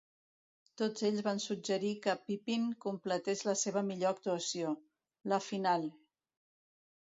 Tots ells van suggerir que Pippin completés la seva millor actuació: la Finale.